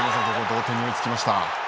同点に追いつきました。